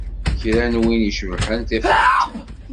Kra n win i cebḥen tifeḍ-t.